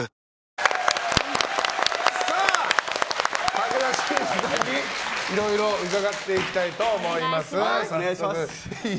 武田真治さんにいろいろ伺っていきたいと思います。